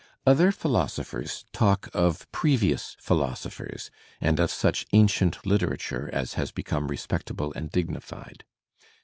Other philosophers talk of previous philosophers and of such ancient literature as has become respectable and dignified.